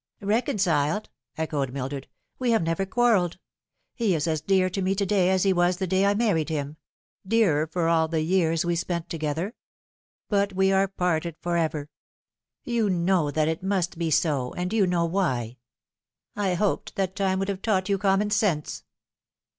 " Reconciled ?" echoed Mildred ;" we have never quarrelled. He is as dear to me to day as he was the day I married him dearer for all the years we spent together. But we are parted for ever. You know that it must be so, and you know why." ' I hoped that time would have taught you common sense."